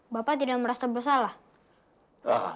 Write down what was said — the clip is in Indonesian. bapak tidak merasa bersalah